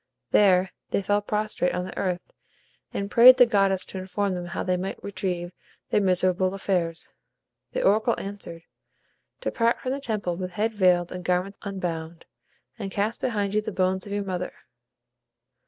There they fell prostrate on the earth, and prayed the goddess to inform them how they might retrieve their miserable affairs. The oracle answered, "Depart from the temple with head veiled and garments unbound, and cast behind you the bones of your mother."